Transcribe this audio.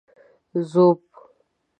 ږوب